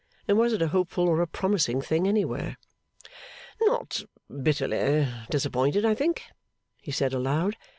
And was it a hopeful or a promising thing anywhere? 'Not bitterly disappointed, I think,' he said aloud.